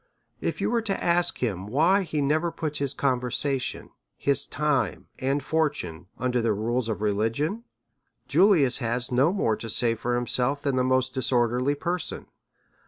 If you ask him why he never puts his conversation, his time, and fortune, under the rules of religion, Julius has no more to say for himself than the most disorderly person.